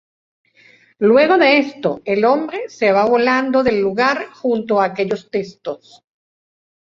Luego de esto, el hombre se va volando del lugar junto a aquellos textos.